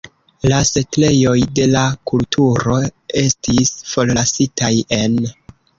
La setlejoj de la kulturo estis forlasitaj en.